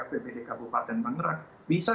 apbd kabupaten tangerang bisa